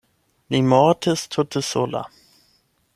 Li mortis tute sola.